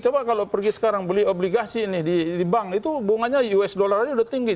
coba kalau pergi sekarang beli obligasi di bank itu bunganya usd ini sudah tinggi